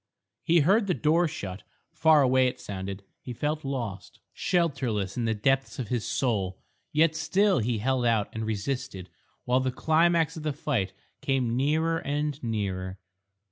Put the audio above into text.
He heard the door shut. Far away it sounded. He felt lost, shelterless in the depths of his soul. Yet still he held out and resisted while the climax of the fight came nearer and nearer....